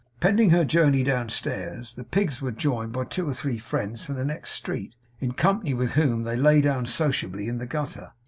Pending her journey downstairs, the pigs were joined by two or three friends from the next street, in company with whom they lay down sociably in the gutter.